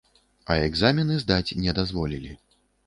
А экзамены здаць не дазволілі.